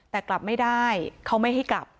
แต่กลับไม่ได้เขาไม่ให้กลับ